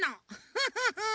フフフフ。